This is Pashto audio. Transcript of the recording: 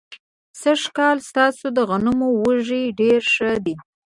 سږ کال ستاسو د غنمو وږي ډېر ښه دي.